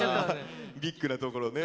ビッグなところね。